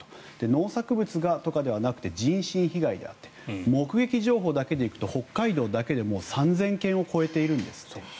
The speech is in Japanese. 農作物ではなく人身被害目撃情報だけで行くと北海道だけで３０００件を超えているんです。